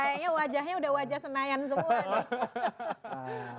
kayaknya wajahnya udah wajah senayan semua nih